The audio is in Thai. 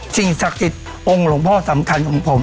สิ่งสักติดองค์หลวงพ่อสำคัญของผม